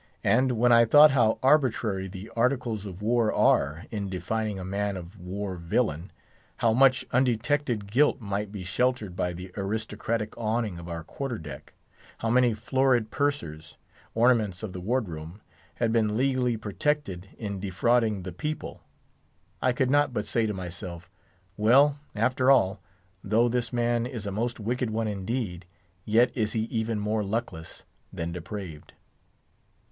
And when I thought how arbitrary the Articles of War are in defining a man of war villain; how much undetected guilt might be sheltered by the aristocratic awning of our quarter deck; how many florid pursers, ornaments of the ward room, had been legally protected in defrauding the people, I could not but say to myself, Well, after all, though this man is a most wicked one indeed, yet is he even more luckless than depraved.